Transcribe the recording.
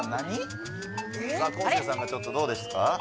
昴生さんがちょっとどうですか？